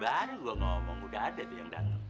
baru gua ngomong udah ada tuh yang denger